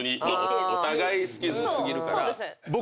お互い好き過ぎるから。